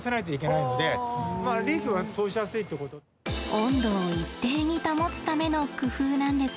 温度を一定に保つための工夫なんですね。